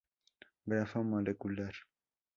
Grafo molecular